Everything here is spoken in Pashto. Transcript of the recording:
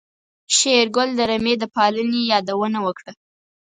شېرګل د رمې د پالنې يادونه وکړه.